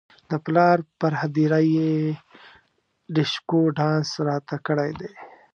د پلار پر هدیره یې ډیشکو ډانس راته کړی دی.